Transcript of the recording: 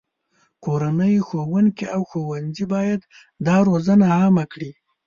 کورنۍ، ښوونکي، او ښوونځي باید دا روزنه عامه کړي.